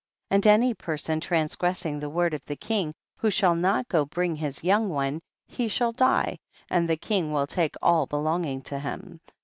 13. And any person transgressing the word of the king, who shall not bring his young one, he shall die, and the king will take all belonging to him.